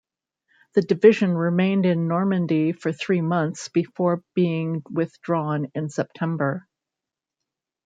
The division remained in Normandy for three months before being withdrawn in September.